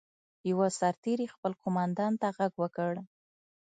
یوه سرتېري خپل قوماندان ته غږ وکړ.